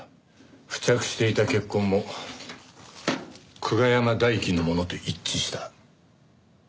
付着していた血痕も久我山大樹のものと一致した。